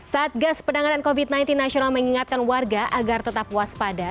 satgas penanganan covid sembilan belas nasional mengingatkan warga agar tetap waspada